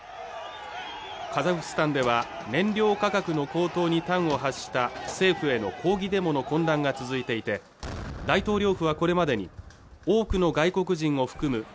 カザフスタンでは燃料価格の高騰に端を発した政府への抗議デモの混乱が続いていて大統領府はこれまでに多くの外国人を含む